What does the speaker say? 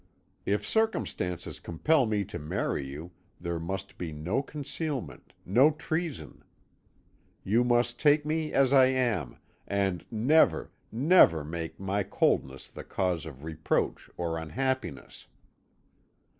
If circumstances compel me to marry you there must be no concealment, no treason. You must take me as I am, and never, never make my coldness the cause of reproach or unhappiness.'